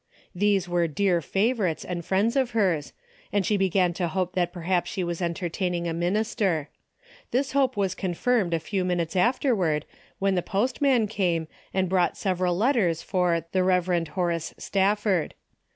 These were dear favorites and friends of hers, and she began to hope that perhaps she was entertaining a minister. This hope was confirmed a few minutes afterward when the postman came and brought several letters for the Eev. Horace Stafford.